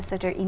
chủ tịch đan